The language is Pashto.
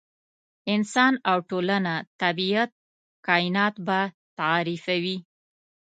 انسان او ټولنه، طبیعت، کاینات به تعریفوي.